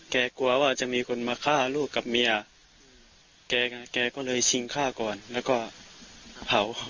กลัวว่าจะมีคนมาฆ่าลูกกับเมียแกก็เลยชิงฆ่าก่อนแล้วก็เผา